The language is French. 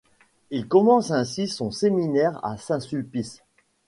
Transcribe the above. Il commence ainsi son séminaire à Saint-Sulpice.